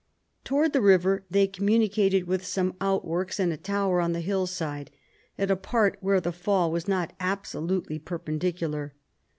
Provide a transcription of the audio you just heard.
Towards the river they communicated with some outworks and a tower on the hillside, at a part where the fall was not absolutely perpendicular.